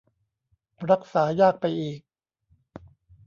รักษายากไปอีก